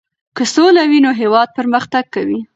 که سوله وي نو هېواد پرمختګ کوي.